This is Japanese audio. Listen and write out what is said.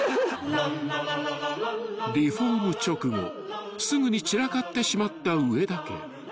［リフォーム直後すぐに散らかってしまった上田家］